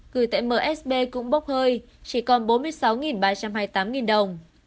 gửi tại msb cũng bốc hơi chỉ còn bốn mươi sáu ba trăm hai mươi tám đồng